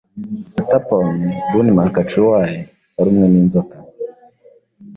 Attaporn Boonmakchuay, warumwe n'inzoka